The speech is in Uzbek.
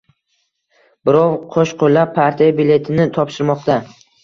Birov qo‘shqo‘llab partiya biletini topshirmoqda.